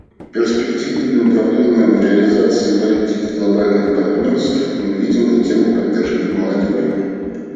Перспективным направлением в реализации политики глобальных партнерств мы видим и тему поддержки молодежи.